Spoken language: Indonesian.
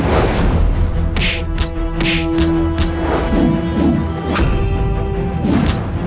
aku bukan saudaramu